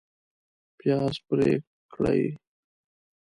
پیاز پرې کړئ